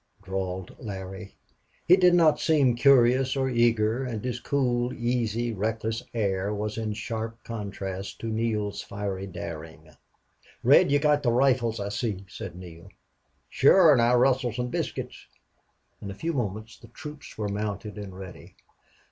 drawled Larry. He did not seem curious or eager, and his cool, easy, reckless air was in sharp contrast to Neale's fiery daring. "Red, you got the rifles, I see," said Neale. "Sure, an' I rustled some biscuits." In a few moments the troops were mounted and ready.